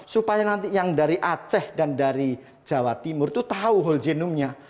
supaya nanti yang dari aceh dan dari jawa timur itu tahu whole genome nya